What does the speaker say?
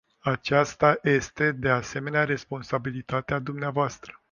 Aceasta este, de asemenea, responsabilitatea dvs.